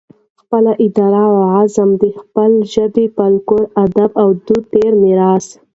خپله اراده اوعزم د خپلې ژبې د فلکلور، ادب اودود د تیر میراث